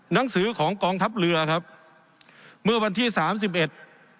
หนังสือของกองทัพเรือครับเมื่อวันที่สามสิบเอ็ด